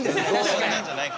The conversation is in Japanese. こんなんじゃない。